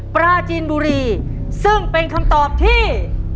ปราจีนบุรีซึ่งเป็นคำตอบที่